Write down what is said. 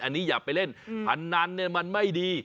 อันนี้อย่าไปเล่นพนันเนี่ยมันไม่ดี